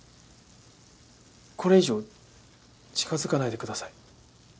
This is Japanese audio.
これ以上近づかないでください。